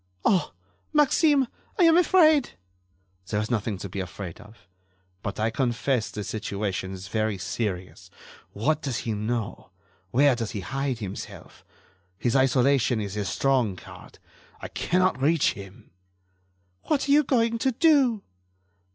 "Oh! Maxime, I am afraid." "There is nothing to be afraid of, but I confess the situation is very serious. What does he know? Where does he hide himself? His isolation is his strong card. I cannot reach him." "What are you going to do?"